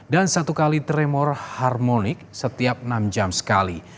dan satu kali tremor harmonik setiap enam jam sekali